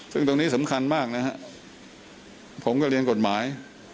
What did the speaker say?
ซึ่งตรงนี้สำคัญมากนะฮะผมก็เรียนกฎหมาย